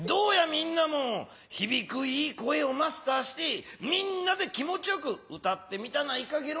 みんなも「ひびくいい声」をマスターしてみんなで気持ちよく歌ってみたないかゲロ？